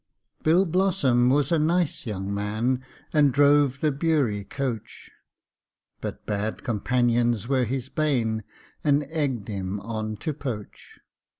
Bill Blossom was a nice young man, And drove the Bury coach; But bad companions were his bane, And egg'd him on to poach.